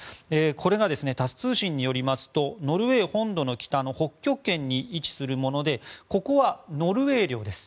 これがタス通信によりますとノルウェー本土の北の北極圏に位置するものでここはノルウェー領です。